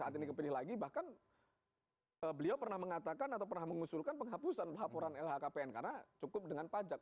saat ini kepilih lagi bahkan beliau pernah mengatakan atau pernah mengusulkan penghapusan laporan lhkpn karena cukup dengan pajak